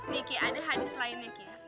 nih ki ada hadis lainnya ki